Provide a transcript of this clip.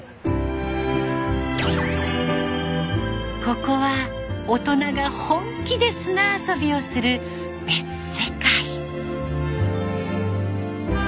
ここは大人が本気で砂遊びをする別世界。